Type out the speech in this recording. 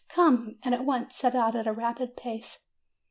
"Come," and at once set out at a rapid pace.